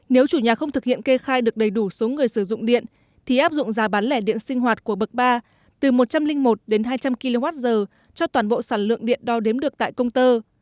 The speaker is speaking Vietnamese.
nếu chủ nhà không thực hiện kê khai được đầy đủ số người sử dụng điện thì áp dụng giá bán lẻ điện sinh hoạt của bậc ba từ một trăm linh một đến hai trăm linh kwh cho toàn bộ sản lượng điện đo đếm được tại công tơ